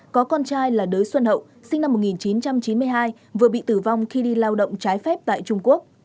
có con trai là đới xuân hậu sinh năm một nghìn chín trăm chín mươi hai vừa bị tử vong khi đi lao động trái phép tại trung quốc